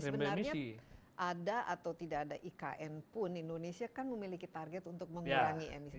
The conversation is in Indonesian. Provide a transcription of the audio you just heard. sebenarnya ada atau tidak ada ikn pun indonesia kan memiliki target untuk mengurangi emisi